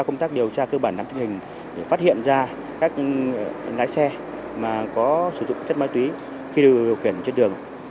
công tác điều tra cơ bản nắm tích hình để phát hiện ra các lái xe mà có sử dụng chất ma túy khi điều khiển trên đường